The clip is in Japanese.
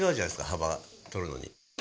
幅とるのに。